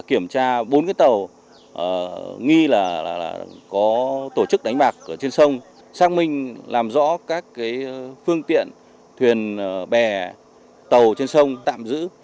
khi là có tổ chức đánh bạc trên sông xác minh làm rõ các phương tiện thuyền bè tàu trên sông tạm giữ